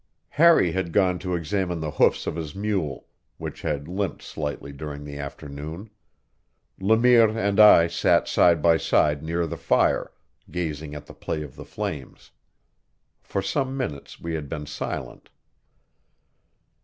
Harry had gone to examine the hoofs of his mule, which had limped slightly during the afternoon; Le Mire and I sat side by side near the fire, gazing at the play of the flames. For some minutes we had been silent.